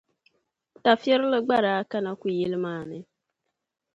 Tafirili gba daa kana ku'yili maa ni.